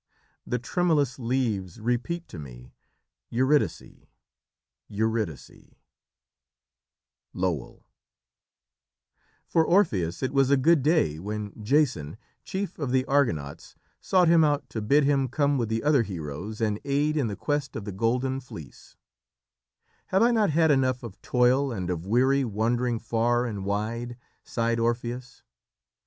The tremulous leaves repeat to me Eurydice! Eurydice!" Lowell. [Illustration: SWIFTLY HE TURNED, AND FOUND HIS WIFE BEHIND HIM] For Orpheus it was a good day when Jason, chief of the Argonauts, sought him out to bid him come with the other heroes and aid in the quest of the Golden Fleece. "Have I not had enough of toil and of weary wandering far and wide," sighed Orpheus.